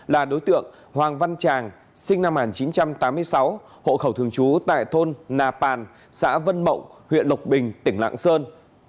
là đối tượng hoàng văn tràng sinh năm một nghìn chín trăm tám mươi sáu hộ khẩu thường trú tại thôn nà pàn xã vân mộng huyện lộc bình tỉnh lạng sơn